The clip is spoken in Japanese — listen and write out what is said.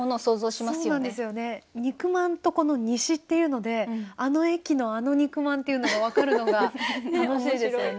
そうなんですよね「肉まん」とこの「西」っていうのであの駅のあの肉まんっていうのが分かるのが楽しいですよね。